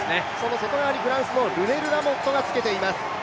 外側にフランスのラモットがつけています。